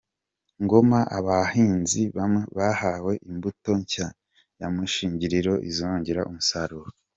Ngoma Abahinzi bahawe imbuto nshya ya mushingiriro izongera umusaruro